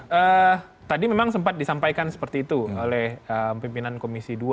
ya tadi memang sempat disampaikan seperti itu oleh pimpinan komisi dua